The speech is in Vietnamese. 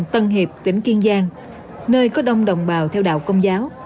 tỉnh kiên giang nơi có đông đồng bào theo đạo công giáo